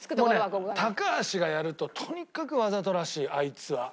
もうね高橋がやるととにかくわざとらしいあいつは。